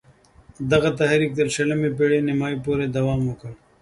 دغه تحریک تر شلمې پېړۍ نیمايی پوري دوام وکړ.